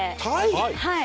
はい。